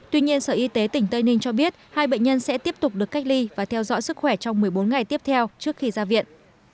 tuy nhiên sở y tế tỉnh tây ninh cho biết hai bệnh nhân sẽ tiếp tục được cách ly và theo dõi sức khỏe trong một mươi bốn ngày tiếp theo trước khi ra viện